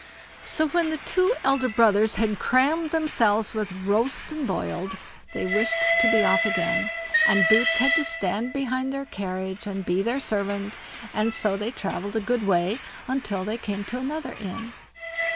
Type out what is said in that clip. So when the two elder brothers had crammed themselves with roast and boiled, they wished to be off again, and Boots had to stand behind their carriage, and be their servant; and so they travelled a good way, till they came to another inn.